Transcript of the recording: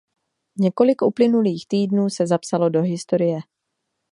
Několik uplynulých týdnů se zapsalo do historie.